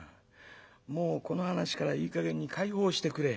もうこの話からいい加減に解放してくれ」。